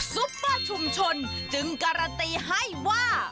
ซุปเปอร์ชุมชนจึงการันตีให้ว่า